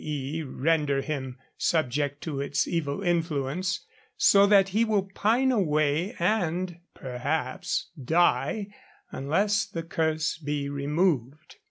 e., render him subject to its evil influence, so that he will pine away and perhaps die unless the curse be removed.